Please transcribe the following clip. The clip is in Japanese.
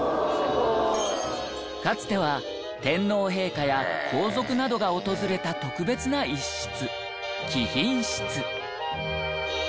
かつては天皇陛下や皇族などが訪れた特別な一室貴賓室。